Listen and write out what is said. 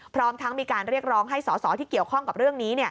พร้อมทั้งมีการเรียกร้องให้สอสอที่เกี่ยวข้องกับเรื่องนี้